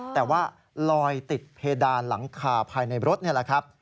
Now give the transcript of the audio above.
แต่ว่าลอยติดเพดานหลังคาภายในรถนี่แหละครับ